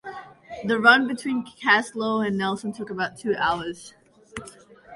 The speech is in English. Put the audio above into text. The run between Kaslo and Nelson took about two hours.